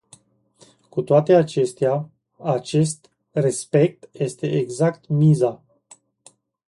Cu toate acestea, acest respect este exact miza.